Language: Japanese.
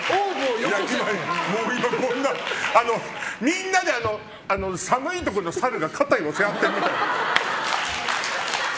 みんなで寒いところでサルが肩寄せ合ってるみたい。